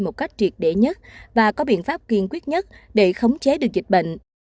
một cách triệt đệ nhất và có biện pháp kiên quyết nhất để khống chế được dịch bệnh